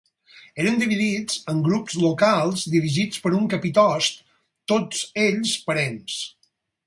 Eren dividits en grups locals dirigits per un capitost, tots ells parents.